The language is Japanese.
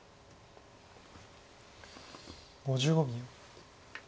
５５秒。